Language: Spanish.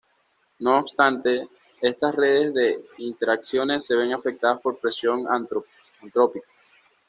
No obstante, estas redes de interacciones se ven afectadas por presión antrópica.